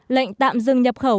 lệnh tạm dừng nhập khẩu